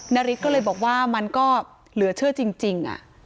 นาริสก็เลยบอกว่ามันก็เหลือเชื่อจริง